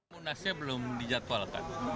munasnya belum dijadwalkan